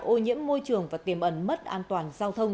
tình trạng là ô nhiễm môi trường và tiềm ẩn mất an toàn giao thông